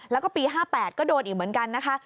แล้วก็ปี๕๘ก็โดนอีกเหมือนกันนะคะ